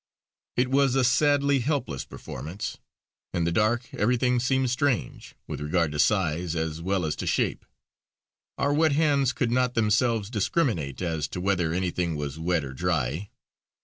It was a sadly helpless performance. In the dark everything seemed strange, with regard to size as well as to shape. Our wet hands could not of themselves discriminate as to whether anything was wet or dry.